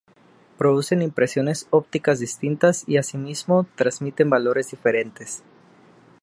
Producen impresiones ópticas distintas y asimismo transmiten valores diferentes.